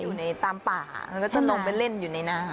อยู่ในตามป่ามันก็จะลงไปเล่นอยู่ในน้ำ